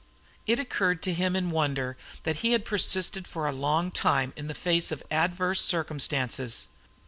It occurred to him in wonder that he had persisted for a long time in the face of adverse circumstances.